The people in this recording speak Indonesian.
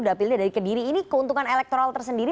dapilnya dari kediri ini keuntungan elektoral tersendiri